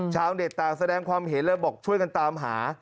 ชาวเน็ตต่างแสดงความเห็นแล้วบอกช่วยกันตามหา